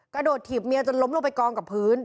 กระโดดถีบเมียจนล้มลงไปกองกับพื้น